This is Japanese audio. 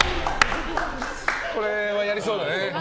これはやりそうだね。